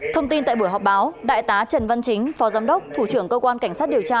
thông tin tại buổi họp báo đại tá trần văn chính phó giám đốc thủ trưởng cơ quan cảnh sát điều tra